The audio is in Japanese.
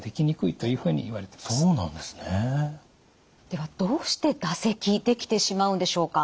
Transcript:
ではどうして唾石できてしまうんでしょうか。